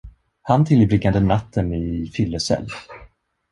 Han tillbringade natten i fyllecell.